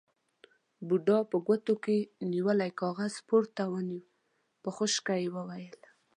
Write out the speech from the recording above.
بوډا په ګوتو کې نيولی کاغذ پورته ونيو، په خشکه يې وويل: